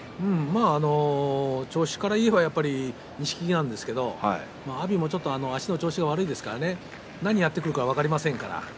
調子からいえば錦木なんですけれど阿炎も足の調子が悪いですから何をやってくるか分かりません。